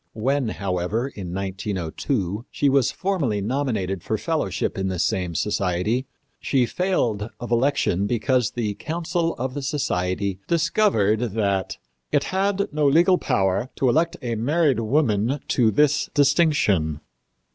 When, however, in 1902, she was formally nominated for fellowship in this same society, she failed of election because the council of the society discovered that "it had no legal power to elect a married woman to this distinction."